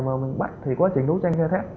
mà mình bắt thì quá trình đấu tranh nghe thép